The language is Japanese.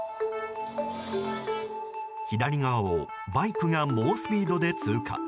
左側をバイクが猛スピードで通過。